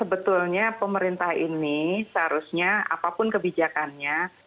sebetulnya pemerintah ini seharusnya apapun kebijakannya